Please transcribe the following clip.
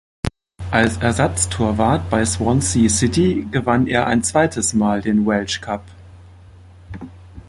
Als Ersatztorwart bei Swansea City gewann er ein zweites Mal den Welsh Cup.